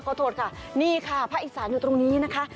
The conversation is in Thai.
ขอโทษค่ะนี่คะภาษิกษาอยู่ตรงนี้นะคะ